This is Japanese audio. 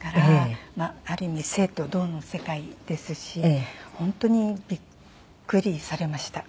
ある意味静と動の世界ですし本当にびっくりされました。